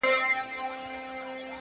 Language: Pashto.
لوړ هدفونه قوي تمرکز غواړي.!